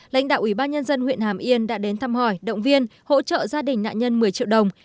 lãnh đạo ủy ban nhân dân huyện hàm yên đã đến thăm hỏi động viên hỗ trợ gia đình nạn nhân một mươi triệu đồng